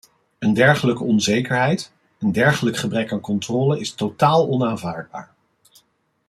Een dergelijke onzekerheid, een dergelijk gebrek aan controle is totaal onaanvaardbaar.